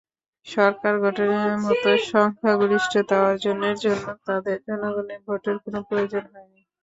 সরকার গঠনের মতো সংখ্যাগরিষ্ঠতা অর্জনের জন্য তাঁদের জনগণের ভোটের কোনো প্রয়োজন হয়নি।